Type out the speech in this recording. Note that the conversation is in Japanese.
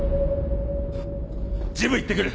ジム行ってくる。